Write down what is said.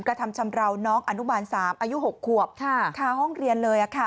กระทำชำราวน้องอนุบาล๓อายุ๖ขวบค้าห้องเรียนเลย